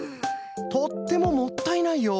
とってももったいないよ！